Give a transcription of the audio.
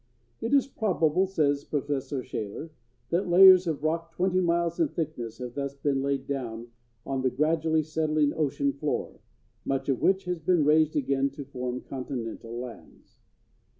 It is probable, says Professor Shaler, that layers of rock twenty miles in thickness have thus been laid down on the gradually settling ocean floor, much of which has been raised again to form continental lands.